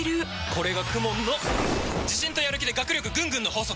これがＫＵＭＯＮの自信とやる気で学力ぐんぐんの法則！